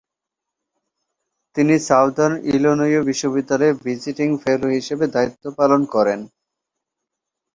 তিনি southern Illinois বিশ্ববিদ্যালয়ে visiting fellow হিসেবে দায়িত্ব পালন করেন।